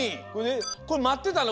これまってたの？